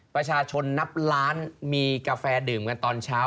ประชาชนนับล้านมีกาแฟดื่มกันตอนเช้า